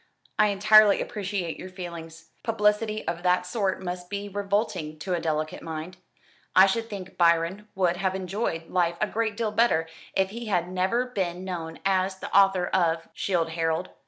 "I entirely appreciate your feelings. Publicity of that sort must be revolting to a delicate mind. I should think Byron would have enjoyed life a great deal better if he had never been known as the author of 'Childe Harold.'